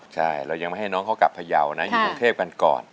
ใช่เรายังไม่ให้น้องเขากลับพยาวนะอยู่กรุงเทพกันก่อน